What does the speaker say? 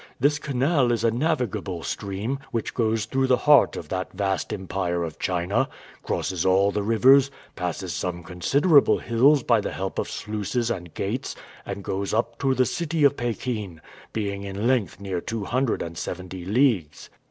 This canal is a navigable stream, which goes through the heart of that vast empire of China, crosses all the rivers, passes some considerable hills by the help of sluices and gates, and goes up to the city of Pekin, being in length near two hundred and seventy leagues."